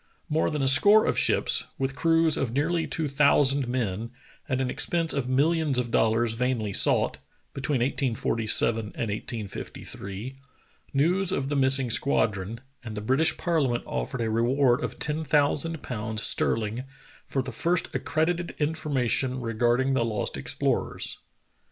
More than a score of ships, with crews of nearly two thousand men, at an expense of millions of dollars vainly sought, between 1847 and 1853, news of the missing squadron, and the British ParHament offered a reward of ten thousand pounds sterling for the first accredited information regarding the lost explorers.